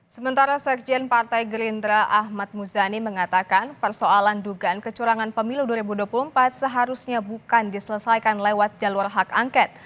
sementara sekjen partai gerindra ahmad muzani mengatakan persoalan dugaan kecurangan pemilu dua ribu dua puluh empat seharusnya bukan diselesaikan lewat jalur hak angket